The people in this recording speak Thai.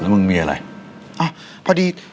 เออแล้วมึงมีอะไรอ่ะพอดี